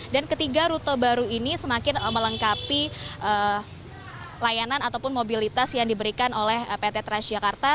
dan ketiga rute baru ini semakin melengkapi layanan ataupun mobilitas yang diberikan oleh pt transjakarta